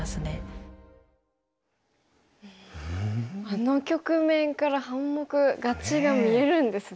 あの局面から半目勝ちが見えるんですね。